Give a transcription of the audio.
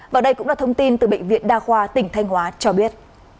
và đây cũng là thông tin từ bệnh viện đa khoa tỉnh thanh hóa cho biết